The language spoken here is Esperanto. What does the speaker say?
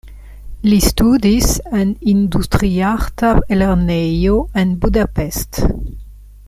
Li studis en industriarta lernejo en Budapest.